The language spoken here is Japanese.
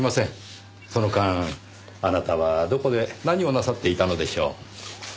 その間あなたはどこで何をなさっていたのでしょう？